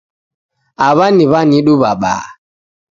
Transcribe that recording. Awa ni w'anidu wabaha